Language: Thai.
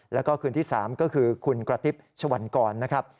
แล้วก็คืนที่๓ก็คือคุณกระติ๊บชวันกรนะครับ